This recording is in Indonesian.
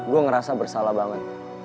gue ngerasa bersalah banget